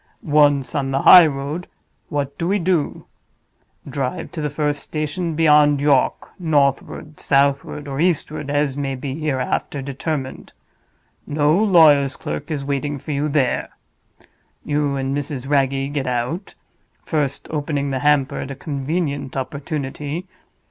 Once on the highroad, what do we do? Drive to the first station beyond York, northward, southward, or eastward, as may be hereafter determined. No lawyer's clerk is waiting for you there. You and Mrs. Wragge get out—first opening the hamper at a convenient opportunity.